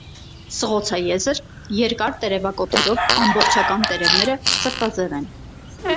Սղոցաեզր, երկար տերևակոթերով ամբողջական տերևները սրտաձև են։